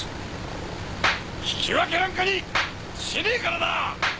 引き分けなんかにしねえからな！